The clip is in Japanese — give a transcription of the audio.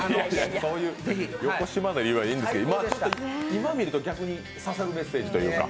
そういうよこしまな理由はいいんですけど今、見ると逆に刺さるメッセージというか。